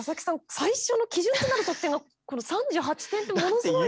最初の基準となる得点がこの３８点ってものすごい。